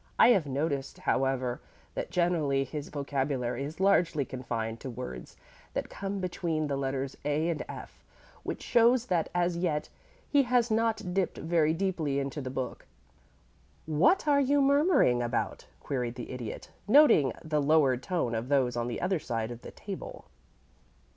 I have noticed, however, that generally his vocabulary is largely confined to words that come between the letters A and F, which shows that as yet he has not dipped very deeply into the book." "What are you murmuring about?" queried the Idiot, noting the lowered tone of those on the other side of the table.